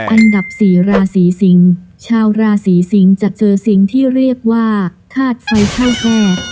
อันดับสี่ราศีสิงศ์ชาวราศีสิงศ์จะเจอสิ่งที่เรียกว่าธาตุไฟเข้าแคบ